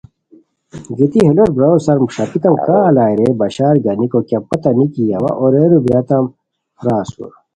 گیتی ہے لوٹ برارو سار ݰاپیکان کا الائے رے بشار گانیکو کیہ پتہ نیکی اوا اورئیرو بیریتام را اسور